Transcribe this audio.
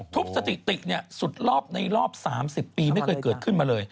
สถิติสุดรอบในรอบ๓๐ปีไม่เคยเกิดขึ้นมาเลย